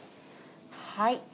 はい。